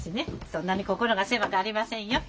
そんなに心が狭かありませんよ。